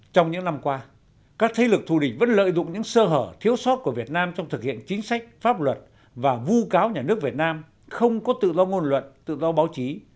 trong những năm qua các thế lực thù địch vẫn lợi dụng những sơ hở thiếu sót của việt nam trong thực hiện chính sách pháp luật và vu cáo nhà nước việt nam không có tự do ngôn luận tự do báo chí